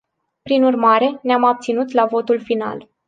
Prin urmare, ne-am abținut la votul final.